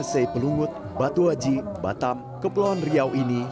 c pelungut batuaji batam kepulauan riau ini